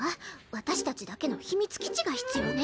私たちだけの秘密基地が必要ね！